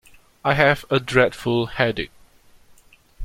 I have a dreadful headache.